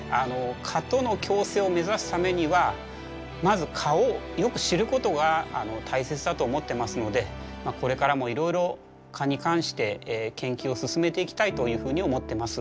蚊との共生を目指すためにはまず蚊をよく知ることが大切だと思ってますのでこれからもいろいろ蚊に関して研究を進めていきたいというふうに思ってます。